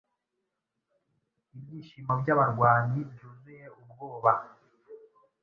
Ibyishimo byabarwanyi byuzuye ubwoba